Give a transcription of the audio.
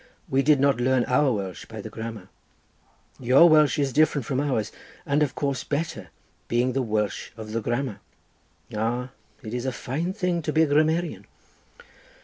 We did not learn our Welsh by the grammar—your Welsh is different from ours, and of course better, being the Welsh of the grammar. Ah, it is a fine thing to be a grammarian."